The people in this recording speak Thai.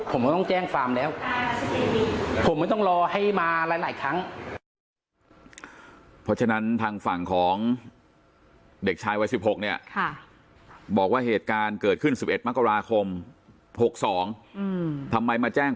ผมก็ต้องแจ้งความแล้วผมไม่ต้องรอให้มาหลายครั้ง